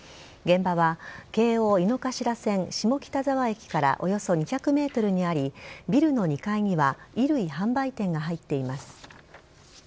現場は、京王井の頭線下北沢駅からおよそ２００メートルにあり、ビルの２階には衣類販売店が入っています。